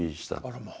あらまあ。